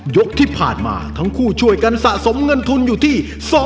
ยกที่ผ่านมาทั้งคู่ช่วยกันสะสมเงินทุนอยู่ที่